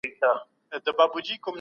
که باران ونه وریږي فصلونه به وچ سي.